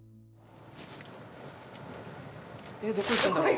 えどこ行ったんだろう？